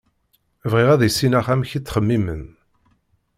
Bɣiɣ ad issineɣ amek i ttxemmimen.